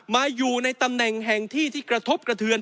มาอยู่ในตำแหน่งแห่งที่ที่กระทบกระเทือน